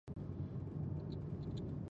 هغه غوښتل کیسه هغو کسانو ته ورسوي چې کڼ وو